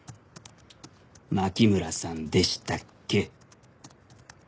牧村さんでしたっけ？